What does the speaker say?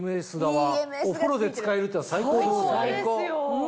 お風呂で使えるっていうのは最高ですよね。